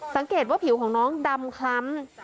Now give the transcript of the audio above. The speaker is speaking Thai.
สังเกตว่าผิวของน้องดำคล้ำ